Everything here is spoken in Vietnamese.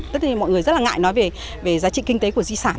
tất nhiên mọi người rất là ngại nói về giá trị kinh tế của di sản